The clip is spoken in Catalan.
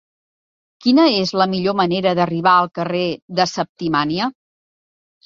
Quina és la millor manera d'arribar al carrer de Septimània?